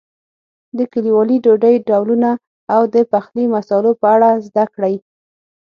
د کلیوالي ډوډۍ ډولونو او د پخلي مسالو په اړه زده کړئ.